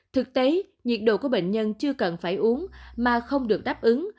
thực tế nhiệt độ của bệnh nhân chưa cần phải uống mà không được đáp ứng